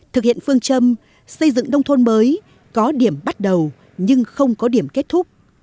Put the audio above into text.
thực hiện phương châm xây dựng nông thôn mới có điểm bắt đầu nhưng không có điểm kết thúc